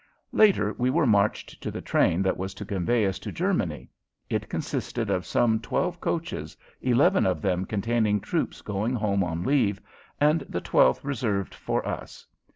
Later we were marched to the train that was to convey us to Germany. It consisted of some twelve coaches, eleven of them containing troops going home on leave, and the twelfth reserved for us.